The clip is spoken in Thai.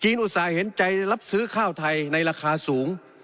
อุตส่าห์เห็นใจรับซื้อข้าวไทยในราคาสูง